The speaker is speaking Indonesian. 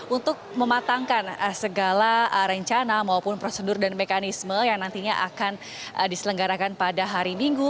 untuk mematangkan segala rencana maupun prosedur dan mekanisme yang nantinya akan diselenggarakan pada hari minggu